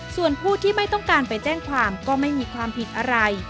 ส่วนผู้ที่ไม่ต้องการไปแจ้งความก็ไม่มีความผิดอะไร